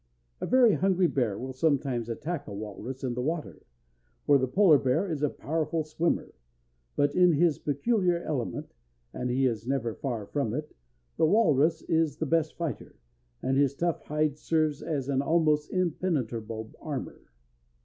A very hungry bear will sometimes attack a walrus in the water, for the polar bear is a powerful swimmer; but in his peculiar element and he is never far from it the walrus is the best fighter, and his tough hide serves as an almost impenetrable armor.